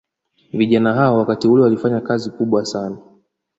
Vijana hao wakati ule walifanya kazi kubwa sana